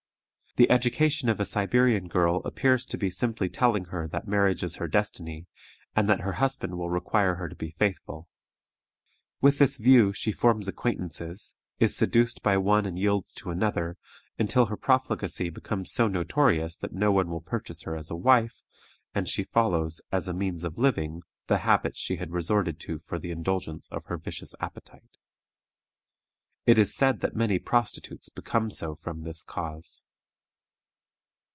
The education of a Siberian girl appears to be simply telling her that marriage is her destiny, and that her husband will require her to be faithful. With this view she forms acquaintances, is seduced by one and yields to another, until her profligacy becomes so notorious that no one will purchase her as a wife, and she follows, as a means of living, the habits she had resorted to for the indulgence of her vicious appetite. It is said that many prostitutes become so from this cause.